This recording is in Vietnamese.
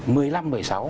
cũng đúng rồi